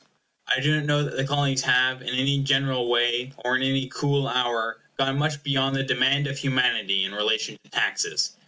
I do not know that the Colonies have, in any general way, or in any cool hour, gone much beyond the demand of humanity in relation to taxes.